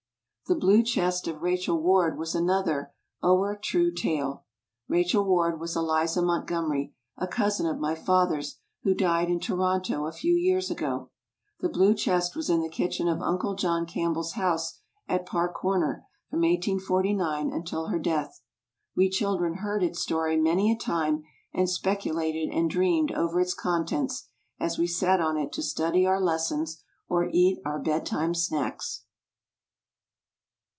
"The Blue Chest of Rachel Ward" was another "ower true tale." Rachel Ward was Eliza Montgomery, a cousin of my father's, who died in Toronto a few years ago. The blue chest was in the kitchen of Uncle John Campbell's house at Park Comer from 1849 until her death. We children heard its story many a time and speculated and dreamed over its contents, as we sat on it to study our lessons or eat our bed time snacks.